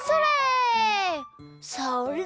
それ！